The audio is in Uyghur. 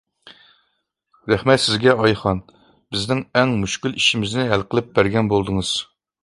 رەھمەت سىزگە، ئايخان، بىزنىڭ ئەڭ مۈشكۈل ئىشىمىزنى ھەل قىلىپ بەرگەن بولدىڭىز.